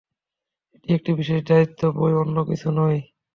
এটি একটি বিশেষ দায়িত্ব বৈ অন্য কিছু নয়।